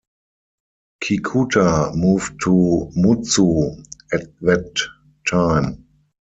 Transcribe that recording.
Kikuta moved to Mutsu at that time.